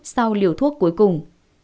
sau liều thuốc cuối cùng